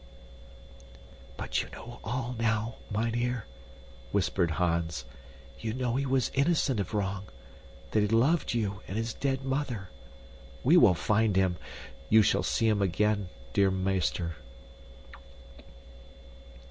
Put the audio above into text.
"But you know all, now, mynheer," whispered Hans. "You know he was innocent of wrong, that he loved you and his dead mother. We will find him. You shall see him again, dear meester."